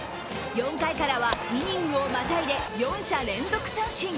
４回からはイニングをまたいで４者連続三振。